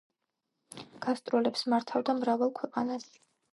გასტროლებს მართავდა მრავალ ქვეყანაში.